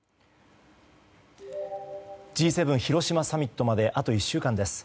Ｇ７広島サミットまであと１週間です。